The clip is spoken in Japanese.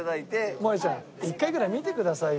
もえちゃん一回ぐらい見てくださいよ